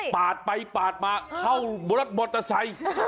ปาดไปปาดมาเข้าบนรถมอเตอร์ไซค์